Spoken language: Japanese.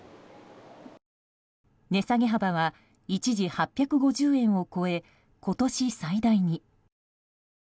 値下げ幅は一時８５０円を超え今年最大に。